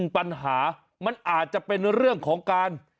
ปัญหามันอาจจะเป็นเรื่องของการ